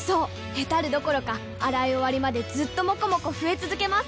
ヘタるどころか洗い終わりまでずっともこもこ増え続けます！